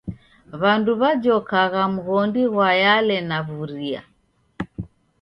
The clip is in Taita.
W'andu w'ajokagha mghondi ghwa Yale na Vuria.